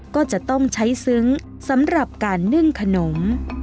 ก็จะต้องใช้ซึ้งสำหรับการนึ่งขนม